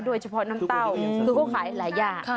โดยเฉพาะน้ำเต้าคือเขาขายหลายอย่าง